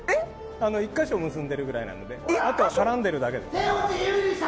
１か所、結んでるくらいであとは絡んでるだけです。